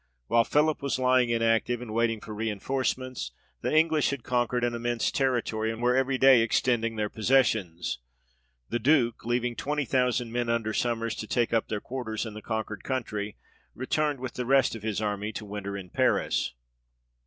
While Philip was lieing inactive, and waiting for reinforcements, the English had conquered an im mense territory, and were every day extending their possessions. The Duke, leaving twenty thousand men under Sommers, to take up their quarters in the con quered country, returned with the rest of his army to winter in Paris.